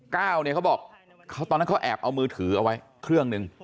เขาบอกตอนนั้นเขาแอบเอามือถือเอาไว้เครื่องหนึ่ง